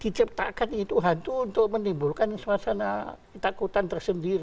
diciptakan itu hantu untuk menimbulkan semacam takutan tersendiri